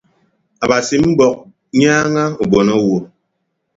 Abasi mbọk nyaaña ubon owo.